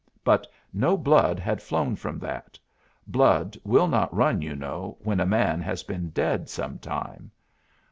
But no blood had flown from that; blood will not run, you know, when a man has been dead some time.